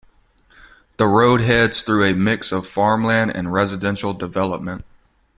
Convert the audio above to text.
The road heads through a mix of farmland and residential development.